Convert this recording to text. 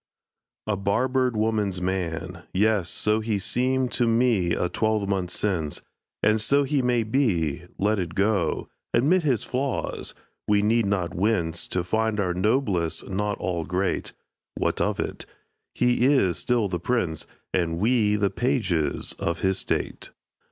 "A barbered woman's man," yes, so He seemed to me a twelvemonth since; And so he may be let it go Admit his flaws we need not wince To find our noblest not all great. What of it? He is still the prince, And we the pages of his state.